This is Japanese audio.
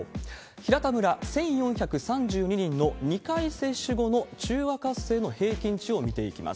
平田村１４３２人の２回接種後の中和活性の平均値を見ていきます。